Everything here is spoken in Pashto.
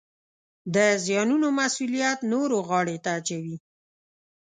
د زیانونو مسوولیت نورو غاړې ته اچوي